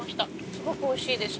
すごくおいしいです。